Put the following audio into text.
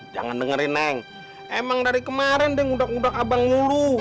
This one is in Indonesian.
jangan dengerin neng emang dari kemarin deh ngudak ngudak abang lu lu